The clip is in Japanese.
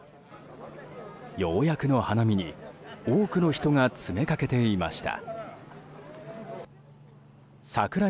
ようやくの花見に多くの人が詰めかけていました。